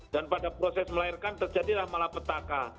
dan pada proses melahirkan terjadilah malapetaka